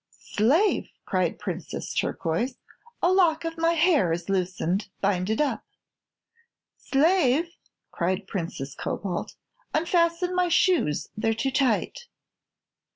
"Slave!" cried Princess Turquoise, "a lock of my hair is loosened; bind it up." "Slave!" cried Princess Cobalt, "unfasten my shoes; they're too tight."